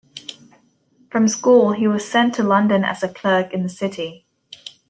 From school he was sent to London as a clerk in the city.